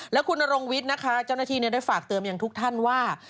แล้วคุณนรงวิทย์นะคะเจ้าหน้าที่ได้ฝากเตือนอย่างทุกท่านว่า